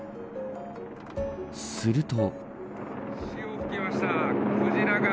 すると。